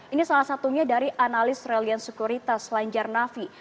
ini salah satunya dari analis reliant sekuritas lanjar navi